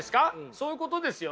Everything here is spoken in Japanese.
そういうことですよね。